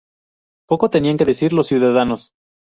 poco tenían que decir los ciudadanos